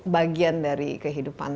bagian dari kehidupan